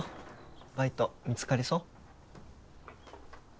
バイト見つかりそう？